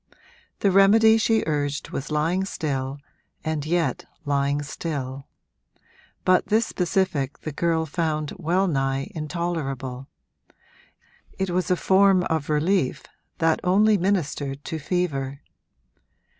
The remedy she urged was lying still and yet lying still; but this specific the girl found well nigh intolerable it was a form of relief that only ministered to fever.